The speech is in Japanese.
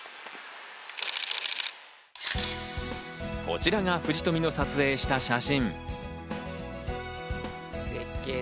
こちらが藤富の撮影した写真。